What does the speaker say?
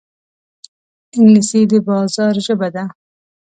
انګلیسي د بازار ژبه ده